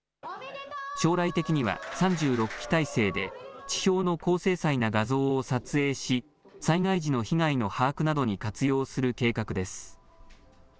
将来的には３６基体制で、地表の高精細な画像を撮影し、災害時の被害の把握などに活用する計画です。